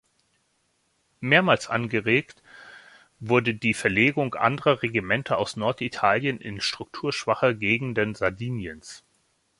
Mehrmals angeregt wurde die Verlegung anderer Regimenter aus Norditalien in strukturschwache Gegenden Sardiniens.